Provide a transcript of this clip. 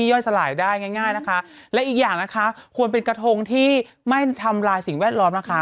ย่อยสลายได้ง่ายง่ายนะคะและอีกอย่างนะคะควรเป็นกระทงที่ไม่ทำลายสิ่งแวดล้อมนะคะ